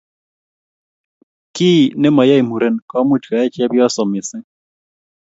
kiiy nemayae muren komuch koyay chepyosoo mising